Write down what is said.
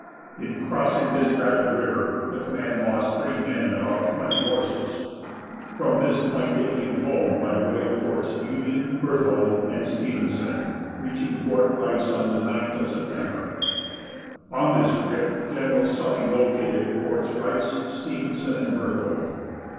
In crossing this rapid river the command lost three men and about twenty horses. From this point they came home by the way of Forts Union, Berthold and Stevenson, reaching Fort Rice on the 9th of September. On this trip General Sully located Forts Rice, Stevenson and Berthold.